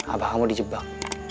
abah kamu dijebak